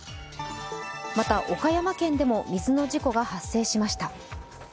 また岡山県でも水の事故が発生しました。